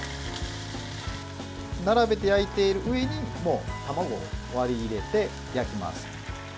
並べて焼いている上に卵を割り入れて焼きます。